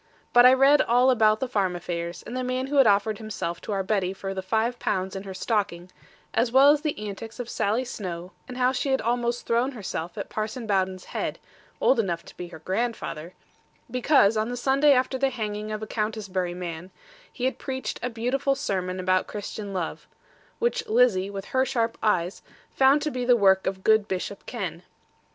But I read all about the farm affairs, and the man who had offered himself to our Betty for the five pounds in her stocking; as well as the antics of Sally Snowe, and how she had almost thrown herself at Parson Bowden's head (old enough to be her grandfather), because on the Sunday after the hanging of a Countisbury man, he had preached a beautiful sermon about Christian love; which Lizzie, with her sharp eyes, found to be the work of good Bishop Ken.